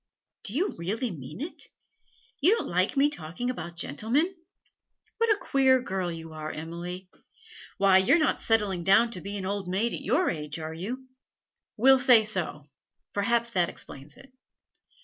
'Do you really mean it? You don't like me to talk about gentlemen? What a queer girl you are, Emily! Why, you're not settling down to be an old maid at your age, are you?' 'We'll say so; perhaps that explains it.'